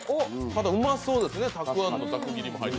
ただ、うまそうですね。